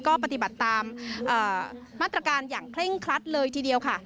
ก็ปฏิบัติตามมาตรการอย่างเคร่งครัดเลยทีเดียวค่ะ